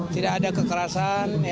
tidak ada kekerasan